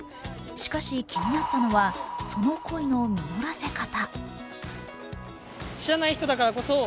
しかし、気になったのは、その恋の実らせ方。